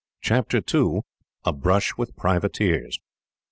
Chapter 2: A Brush With Privateers.